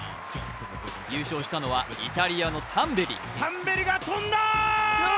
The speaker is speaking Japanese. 優勝したのはイタリアのタンベリ。